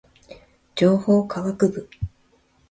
情報科学部